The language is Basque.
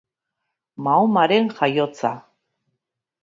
Mahomaren jaiotza